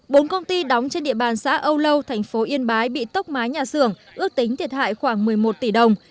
bốn công ty đóng trên địa bàn xã âu lâu thành phố yên bái bị tốc mái nhà xưởng ước tính thiệt hại khoảng một mươi một tỷ đồng